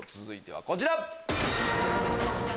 続いてはこちら！